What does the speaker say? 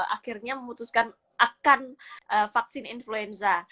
akhirnya memutuskan akan vaksin influenza